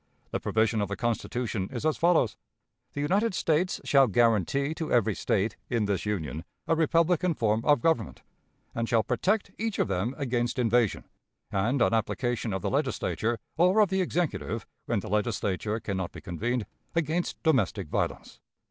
The provision of the Constitution is as follows: "The United States shall guarantee to every State in this Union a republican form of government, and shall protect each of them against invasion; and, on application of the Legislature, or of the Executive (when the Legislature can not be convened), against domestic violence."